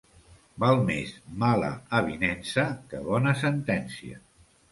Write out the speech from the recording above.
Val més mala avinença que bona sentència.